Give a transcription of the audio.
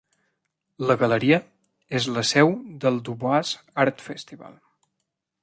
La galeria és la seu del DuBois Arts Festival.